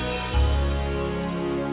anak mau dimakan sama macet